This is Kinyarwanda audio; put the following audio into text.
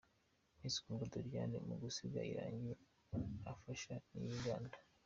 Miss Kundwa Doriane mu gusiga irangi afasha ntiyiganda.